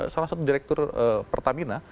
salah satu direktur pertamina